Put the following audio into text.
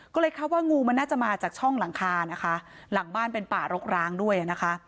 ก็เลยคาดว่างูมันน่าจะมาจากช่องหลังคานะคะหลังบ้านเป็นป่ารกร้างด้วยนะคะ